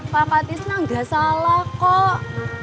pak patisnya gak salah kok